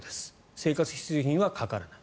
生活必需品はかからない。